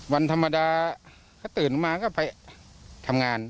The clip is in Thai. วันธรรมดาเขาตื่นมาก็ไปทำงาน